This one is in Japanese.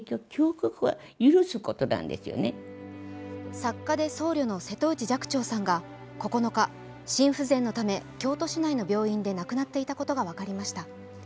作家で僧侶の瀬戸内寂聴さんが９日、心不全のため京都市内の病院で亡くなっていたことが分かりました。